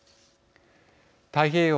太平洋